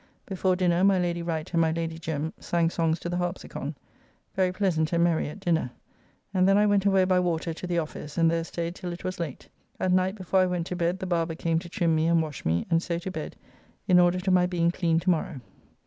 Before dinner, my Lady Wright and my Lady Jem. sang songs to the harpsicon. Very pleasant and merry at dinner. And then I went away by water to the office, and there staid till it was late. At night before I went to bed the barber came to trim me and wash me, and so to bed, in order to my being clean to morrow.